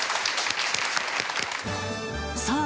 さあ